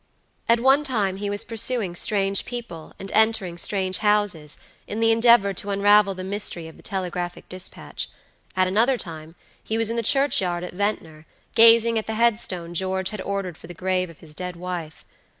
At one time he was pursuing strange people and entering strange houses in the endeavor to unravel the mystery of the telegraphic dispatch; at another time he was in the church yard at Ventnor, gazing at the headstone George had ordered for the grave of his dead wife.